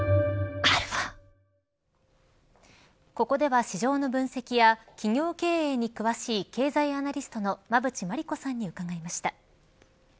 ここでは、市場の分析や企業経営に詳しい経済アナリストの馬渕磨理子さんに伺いました。